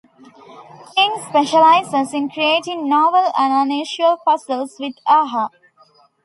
King specialises in creating novel and unusual puzzles with Aha!